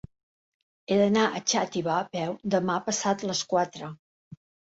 He d'anar a Xàtiva a peu demà passat a les quatre.